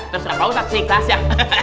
terserah pak ustadz si ikhlas ya